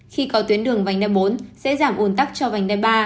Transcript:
khi có tuyến đường vành đai bốn sẽ giảm ồn tắc cho vành đai ba